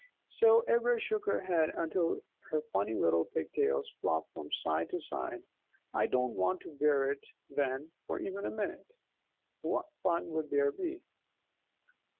So Ivra shook her head until her funny little pigtails flopped from side to side. "I don't want to wear it then for even a minute. What fun would there be?"